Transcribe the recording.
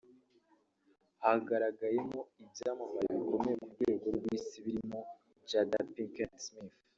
hagaragayemo ibyamamare bikomeye ku rwego rw’Isi birimo Jada Pinkett Smith